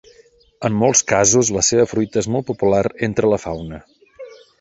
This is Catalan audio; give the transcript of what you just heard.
En molts casos la seva fruita és molt popular entre la fauna.